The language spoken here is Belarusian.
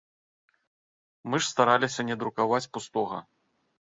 Мы ж стараліся не друкаваць пустога.